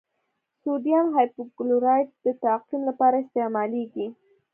سوډیم هایپوکلورایټ د تعقیم لپاره استعمالیږي.